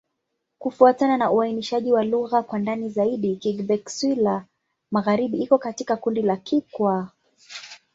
Kufuatana na uainishaji wa lugha kwa ndani zaidi, Kigbe-Xwla-Magharibi iko katika kundi la Kikwa.